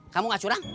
kamu gak curang